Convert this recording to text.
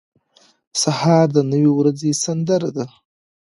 سهار د نوې ورځې سندره ده.